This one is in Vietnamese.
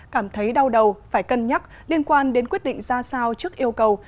cảm thấy đau đầu phải cân nhắc liên quan đến quyết định ra sao trước yêu cầu